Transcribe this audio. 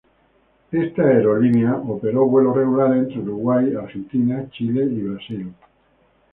Esta aerolínea operó vuelos regulares entre Uruguay, Argentina, Chile y Brasil.